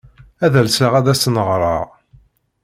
Ad alseɣ ad asen-ɣreɣ.